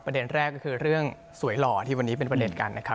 แรกก็คือเรื่องสวยหล่อที่วันนี้เป็นประเด็นกันนะครับ